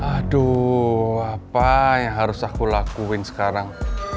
aduh apa yang harus aku lakuin sekarang